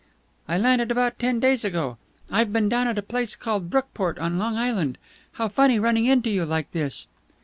"I landed about ten days ago. I've been down at a place called Brookport on Long Island. How funny running into you like this!"